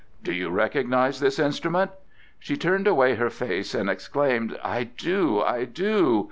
"Do you recognize this instrument?" She turned away her face and exclaimed: "I do! I do!"